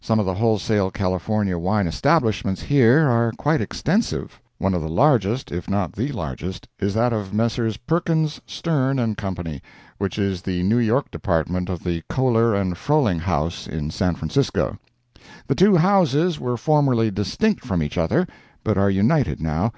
Some of the wholesale California wine establishments here are quite extensive. One of the largest, if not the largest, is that of Messrs. Perkins, Stern & Co., which is the New York department of the Kohler & Frohling house in San Francisco. The two houses were formerly distinct from each other, but are united now.